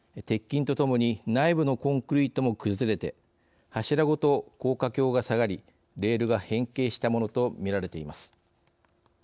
鉄筋とともに内部のコンクリートも崩れて柱ごと高架橋が下がりレールが変形したものとみられています。